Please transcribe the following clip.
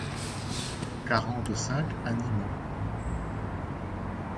Quarante-cinq animaux.